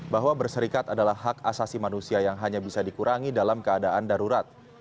bahwa berserikat adalah hak asasi manusia yang hanya bisa dikurangi dalam keadaan darurat